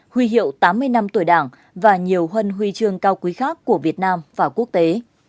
huy hiệu tám mươi năm tuổi đảng và nhiều huân huy chương cao quý khác của việt nam và quốc tế